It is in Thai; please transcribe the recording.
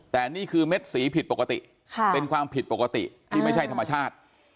แต่นี่คือเม็ดสีผิดปกติเป็นความผิดปกติที่ไม่ใช่ธรรมชาติ